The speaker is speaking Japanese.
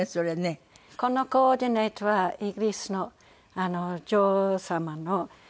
このコーディネートはイギリスの女王様の。